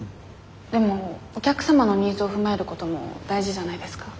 でもお客様のニーズを踏まえることも大事じゃないですか？